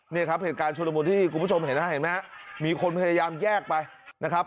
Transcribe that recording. นี่ครับเหตุการณ์ชุดละมุนที่คุณผู้ชมเห็นนะเห็นไหมฮะมีคนพยายามแยกไปนะครับ